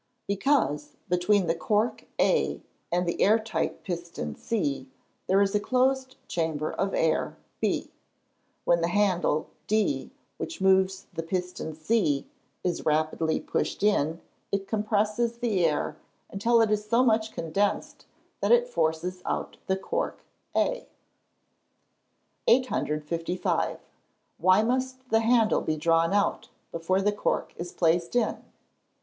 _ Because, between the cork A and the air tight piston C, there is a closed chamber of air B. When the handle D, which moves the piston C, is rapidly pushed in, it compresses the air until it is so much condensed, that it forces out the cork A. [Illustration: Fig. 40. AIR PISTOL, OR "POP GUN."] 855. _Why must the handle be drawn out, before the cork is placed in?